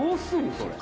それ。